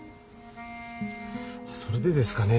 それでですかね